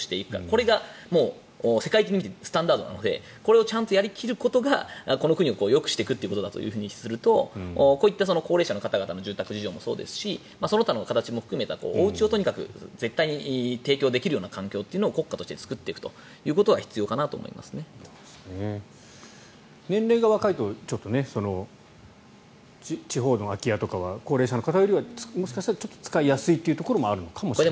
これが世界的に見てもスタンダードなのでこれをやりきることがこの国をよくしていくことだとするとこういった高齢者の方の住宅事情もそうですしその他の形も含めたおうちを絶対に提供できるような環境というのを国家として作っていくというのは年齢が若いと地方の空き家とかは高齢者の方よりかはもしかしたら使いやすいというところもあるのかもしれない。